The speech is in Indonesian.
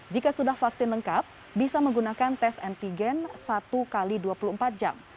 jika sudah vaksin lengkap bisa menggunakan tes antigen satu x dua puluh empat jam